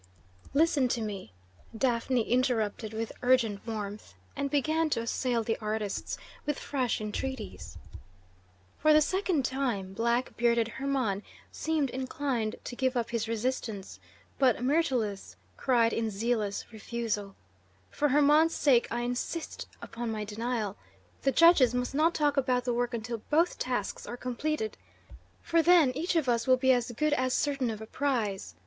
"Listen to me!" Daphne interrupted with urgent warmth, and began to assail the artists with fresh entreaties. For the second time black bearded Hermon seemed inclined to give up his resistance, but Myrtilus cried in zealous refusal: "For Hermon's sake, I insist upon my denial. The judges must not talk about the work until both tasks are completed, for then each of us will be as good as certain of a prize.